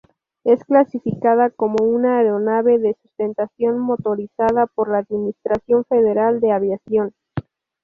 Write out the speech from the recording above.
Es clasificada como una aeronave de sustentación motorizada por la Administración Federal de Aviación.